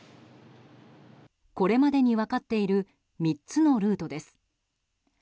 これまでに分かっている３つのルートです。